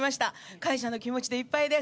感謝の気持ちでいっぱいです。